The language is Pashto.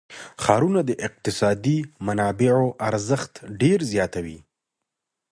ښارونه د اقتصادي منابعو ارزښت ډېر زیاتوي.